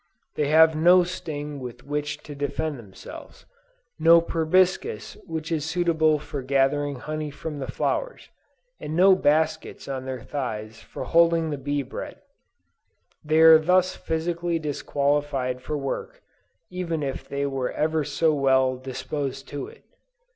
They have no sting with which to defend themselves; no proboscis which is suitable for gathering honey from the flowers, and no baskets on their thighs for holding the bee bread. They are thus physically disqualified for work, even if they were ever so well disposed to it.